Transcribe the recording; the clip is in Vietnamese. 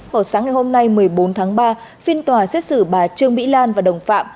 vào sáng ngày hôm nay một mươi bốn tháng ba phiên tòa xét xử bà trương mỹ lan và đồng phạm